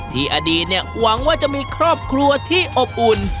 อดีตหวังว่าจะมีครอบครัวที่อบอุ่น